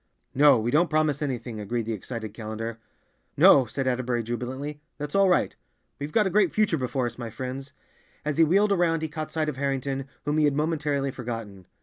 "No, we don't promise anything," agreed the excited Callender. "No," said Atterbury jubilantly, "that's all right. We've got a great future before us, my friends." As he wheeled around he caught sight of Harrington, whom he had momentarily forgotten.